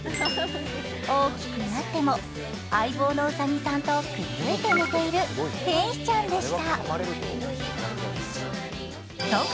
大きくなっても相棒のうさぎさんとくっついて寝ている天使ちゃんでした。